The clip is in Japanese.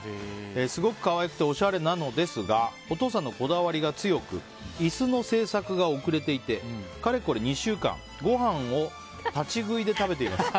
すごく可愛くておしゃれなのですがお父さんのこだわりが強く椅子の制作が遅れていてかれこれ２週間ごはんを立ち食いで食べています。